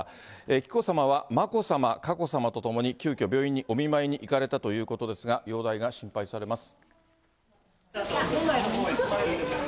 紀子さまは眞子さま、佳子さまと共に、急きょ、病院にお見舞いに行かれたということですが、容体が心配されます。